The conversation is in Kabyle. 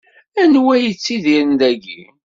Anwa i yettidiren dayi?